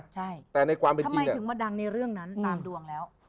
ใช่ก็ทำไมถึงมาดังในเรื่องนั้นตามดวงแล้ว